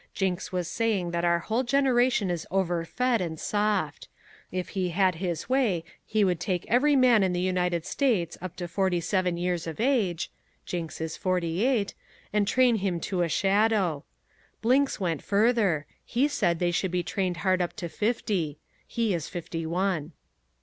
Jinks was saying that our whole generation is overfed and soft. If he had his way he would take every man in the United States up to forty seven years of age (Jinks is forty eight) and train him to a shadow. Blinks went further. He said they should be trained hard up to fifty. He is fifty one.